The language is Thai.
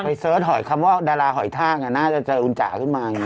ไปเสิร์ชคำว่าดาราหอยทากอ่ะน่าจะจะอุลจ่าขึ้นมาอย่างนี้